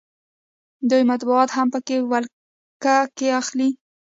دوی مطبوعات هم په خپله ولکه کې اخلي